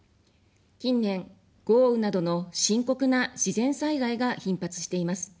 近年、豪雨などの深刻な自然災害が頻発しています。